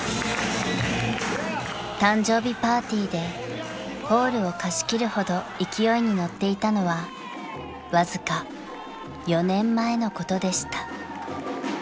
［誕生日パーティーでホールを貸し切るほど勢いに乗っていたのはわずか４年前のことでした］